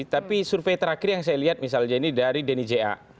tapi survei terakhir yang saya lihat misalnya ini dari denny ja